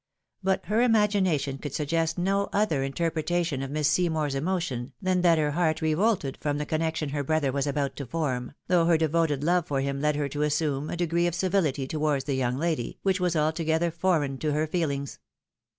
But her imagination could suggest no other interpretation of Miss Seymour's emotion than that her heart revolted from the connection her brother was about to form, though her devoted love for him led her to assume a degree of civility towards the young lady, which was altogether foreign to her feelings.